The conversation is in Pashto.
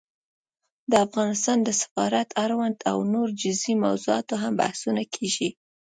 د افغانستان د سفارت اړوند او نورو جزيي موضوعاتو هم بحثونه کېږي